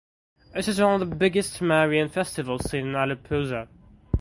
This is one of the biggest Marian Festivals seen in Alappuzha.